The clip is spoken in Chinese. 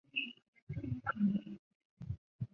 糖山南侧就是中央公园。